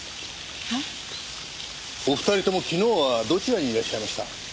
お二人とも昨日はどちらにいらっしゃいました？